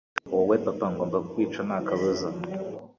Wowe Papa, ngomba kukwica Nta kabuza.